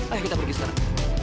ayo kita pergi sekarang